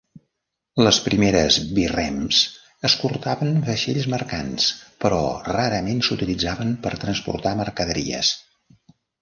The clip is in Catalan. Les primeres birrems escortaven vaixells mercants, però rarament s'utilitzaven per transportar mercaderies.